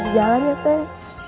jalan ya teh